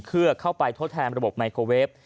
เพื่อเข้าไปทดแทนระบบไมโครเวฟ